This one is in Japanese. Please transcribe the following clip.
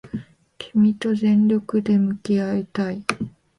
君と全力で向き合いたい